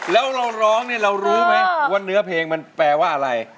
แล้วเราร้องเนี่ยเรารู้ไหมว่าเนื้อเพลงมันแปลว่าอะไร